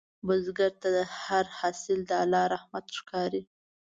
بزګر ته هر حاصل د الله رحمت ښکاري